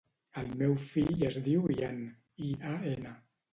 El meu fill es diu Ian: i, a, ena.